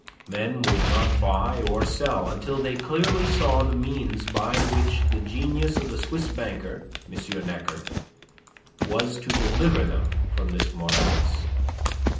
Men would not buy or sell until they clearly saw the means by which the genius of the Swiss banker, M. Necker, was to deliver them from this morass.